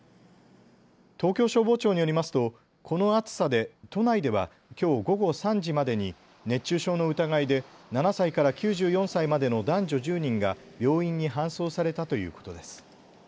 東京消防庁によりますとこの暑さで都内ではきょう午後３時までに熱中症の疑いで７歳から９４歳までの男女１０人が病院に搬送されたということです。